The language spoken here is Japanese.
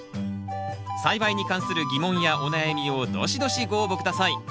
栽培に関する疑問やお悩みをドシドシご応募下さい。